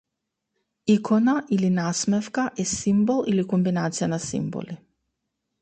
Икона или насмевка е симбол или комбинација на симболи.